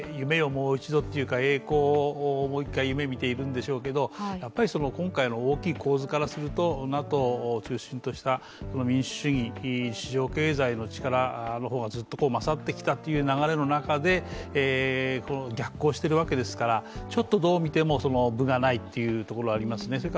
もう一度、というか栄光をもう一回夢見ているんでしょうけどやっぱり今回の大きい構図からするとＮＡＴＯを中心とした民主主義、市場経済の力がずっと勝ってきたという流れの中で、逆行しているわけですから、どうみても分がないっていうところだと思いますね。